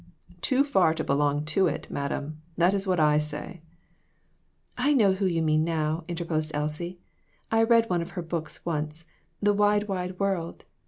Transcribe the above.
"Too far to belong to it, madam ; that is what I say." "I know who you mean now," interposed Elsie; "I read one of her books once the 'Wide, Wide World.'